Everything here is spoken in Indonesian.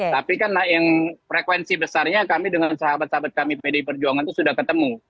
tapi kan yang frekuensi besarnya kami dengan sahabat sahabat kami pdi perjuangan itu sudah ketemu